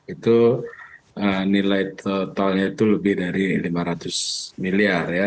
itu nilai totalnya itu lebih dari lima ratus miliar ya